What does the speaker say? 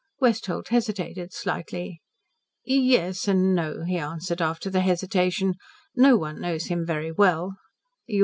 Westholt hesitated slightly. "Yes and no," he answered, after the hesitation. "No one knows him very well.